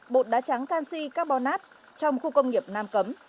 bột đá trắng canxi carbonate trong khu công nghiệp nam cấm